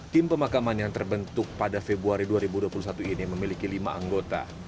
tim pemakaman yang terbentuk pada februari dua ribu dua puluh satu ini memiliki lima anggota